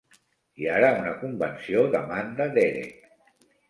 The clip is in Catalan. I ara, una convenció d'Amanda Derek!